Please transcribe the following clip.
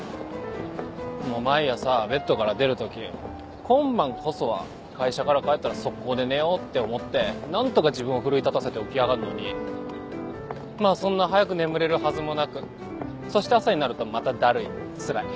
毎朝ベッドから出る時「今晩こそは会社から帰ったら即行で寝よう」って思って何とか自分を奮い立たせて起き上がんのにまぁそんな早く眠れるはずもなくそして朝になるとまただるいつらい。